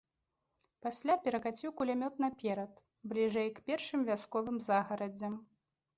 Пасля перакаціў кулямёт наперад, бліжэй к першым вясковым загарадзям.